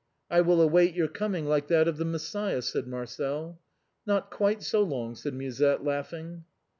" I will await your coming like that of the Messiah," said Marcel. " Not quite so long," said Musette, laughing.